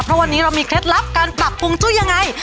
เพราะวันนี้เรามีเคล็ดลับการปรับปรุงจุ้ยยังไง